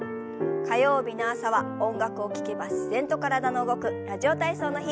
火曜日の朝は音楽を聞けば自然と体の動く「ラジオ体操」の日。